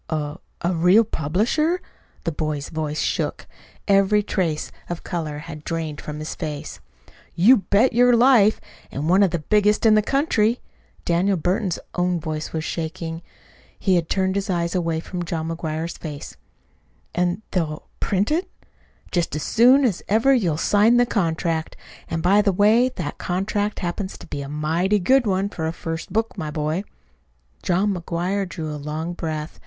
"A a real publisher?" The boy's voice shook. Every trace of color had drained from his face. "You bet your life and one of the biggest in the country." Daniel Burton's own voice was shaking. He had turned his eyes away from John McGuire's face. "And they'll print it?" "Just as soon as ever you'll sign the contract. And, by the way, that contract happens to be a mighty good one, for a first book, my boy." John McGuire drew a long breath.